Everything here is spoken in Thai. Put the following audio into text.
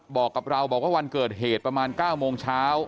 บอกกับเราบอกว่าวันเกิดเหตุประมาณ๙โมงเช้า